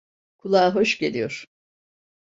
Kulağa hoş geliyor.